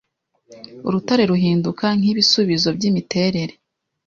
Urutare ruhinduka nkibisubizo byimiterere